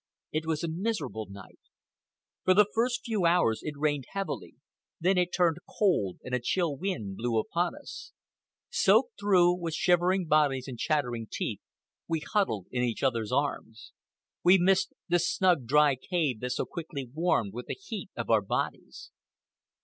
It was a miserable night. For the first few hours it rained heavily, then it turned cold and a chill wind blew upon us. Soaked through, with shivering bodies and chattering teeth, we huddled in each other's arms. We missed the snug, dry cave that so quickly warmed with the heat of our bodies.